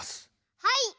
はい！